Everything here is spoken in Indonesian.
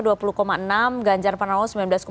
yang kedua gajar panawo sembilan belas sembilan puluh lima